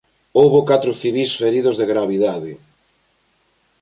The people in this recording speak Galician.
Houbo catro civís feridos de gravidade.